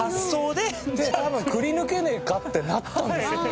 で多分くりぬけねえかってなったんでしょうね。